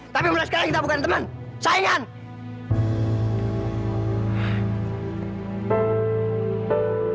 tapi mulai sekarang kita bukan teman sayang